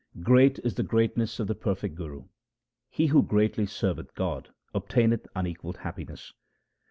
Great is the greatness of the perfect Guru ; he who greatly serveth God obtaineth unequalled happiness.